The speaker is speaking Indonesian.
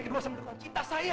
aku masih mendukung cinta saya